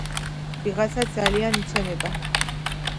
ვიღაცა ძალიან იცემება